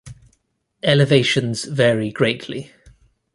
Elevations vary greatly.